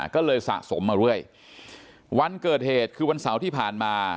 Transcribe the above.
ก็เลยสะสมมาเรื่อยวันเกิดเหตุคือวันเสาร์ที่ผ่านมา